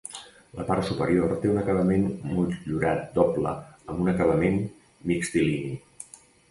La part superior té un acabament motllurat doble amb un acabament mixtilini.